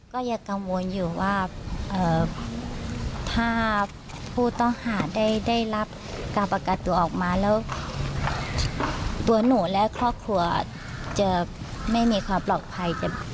ก็อยากกังวลอยู่ว่าถ้าผู้ต่อหาได้รับการปรากันตัวออกมาแล้ว